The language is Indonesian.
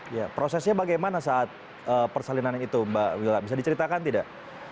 ya prosesnya bagaimana saat persalinan itu mbak willa bisa diceritakan tidak